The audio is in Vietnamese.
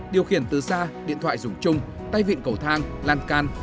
điều khiển từ xa điện thoại dùng chung tay vịn cầu thang lan can